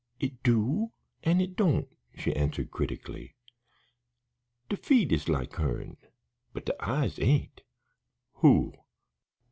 "It do an' it don't," she answered critically. "De feet is like hern, but de eyes ain't." "Who?"